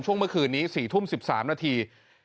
เมื่อคืนนี้๔ทุ่ม๑๓นาที